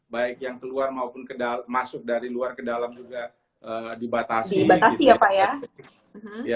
baik yang keluar maupun masuk dari luar ke dalam juga dibatasi